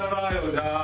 じゃあ。